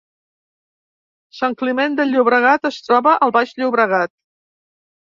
Sant Climent de Llobregat es troba al Baix Llobregat